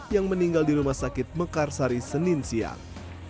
yang meninggal di rumah sakit mekarsari senin siang